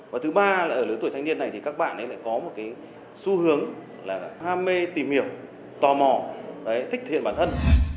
và thứ ba là ở lứa tuổi thanh niên này thì các bạn ấy lại có một cái xu hướng là ham mê tìm hiểu tò mò thích thiện bản thân